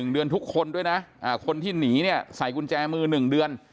๑เดือนทุกคนด้วยนะคนที่หนีเนี่ยใส่กุญแจมือ๑เดือน